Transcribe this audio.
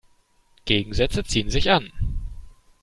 Gegensätze ziehen sich an.